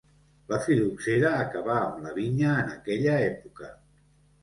La fil·loxera acabà amb la vinya en aquella època.